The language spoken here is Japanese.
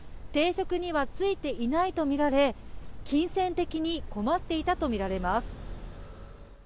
定職には就いていないとみられ金銭的に困っていたとみられます。